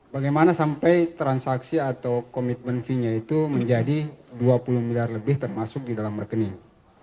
bagaimana sampai transaksi atau commitment fee nya itu menjadi dua puluh miliar lebih termasuk di dalam rekening